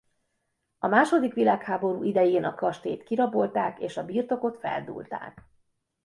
A második világháború idején a kastélyt kirabolták és a birtokot feldúlták.